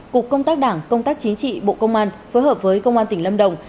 cục công tác đảng công tác chính trị bộ công an phối hợp với công an tỉnh lâm đồng